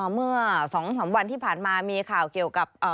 เมื่อ๒๓วันที่ผ่านมามีข่าวเกี่ยวกับ